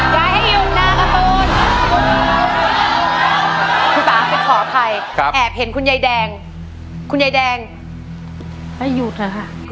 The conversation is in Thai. คุณฟ้าไปขอใครครับแอบเห็นคุณยายแดงคุณยายแดงให้หยุดนะครับ